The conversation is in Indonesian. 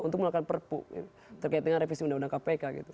untuk melakukan perpu terkait dengan revisi undang undang kpk gitu